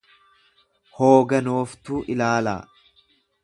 hooganooftuu ilaalaa.